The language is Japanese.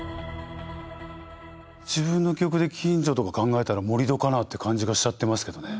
自分の記憶で近所とか考えたら盛り土かなって感じがしちゃってますけどね。